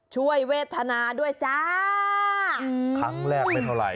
ช่วยเวทนาด้วยจ้าครั้งแรกเป็นเท่าไหร่